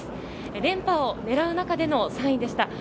連覇を狙う中での３位でした。